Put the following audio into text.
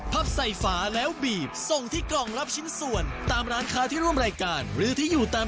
ไปดูกติกากันดีกว่าไหม